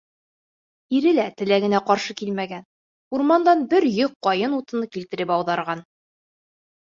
Ире лә теләгенә ҡаршы килмәгән — урмандан бер йөк ҡайын утыны килтереп ауҙарған...